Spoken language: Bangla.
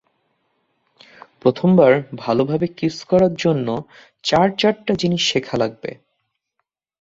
প্রথমবার ভালোভাবে কিস করার জন্য চার-চারটা জিনিস শেখা লাগবে।